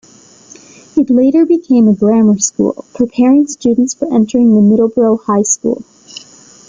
It later became a grammar school, preparing students for entering the Middleborough High School.